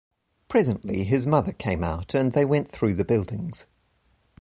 Presently his mother came out, and they went through the buildings.